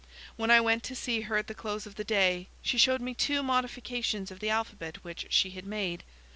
When I went to see her at the close of the day, she showed me two modifications of the alphabet which she had made.